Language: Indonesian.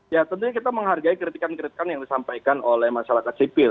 ya tentunya kita menghargai kritikan kritikan yang disampaikan oleh masyarakat sipil